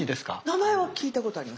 名前は聞いたことあります。